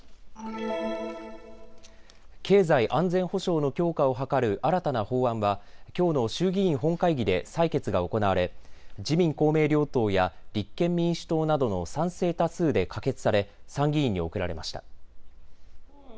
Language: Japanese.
経済安全保障の強化を図る新たな法案はきょうの衆議院本会議で採決が行われ自民公明両党や立憲民主党などの賛成多数で可決され、参議院に送られました。